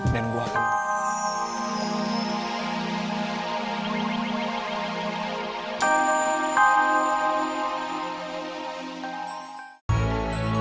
dan gue akan